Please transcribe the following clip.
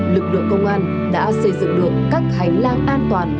lực lượng công an đã xây dựng được các hành lang an toàn